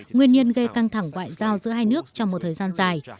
nguyên nhân gây căng thẳng ngoại giao giữa hai nước trong một thời gian dài